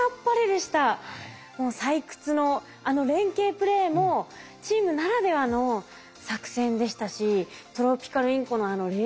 もう採掘のあの連携プレーもチームならではの作戦でしたしトロピカルインコのあの冷静さ。